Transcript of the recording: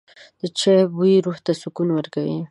د چای بوی روح ته سکون ورکوي.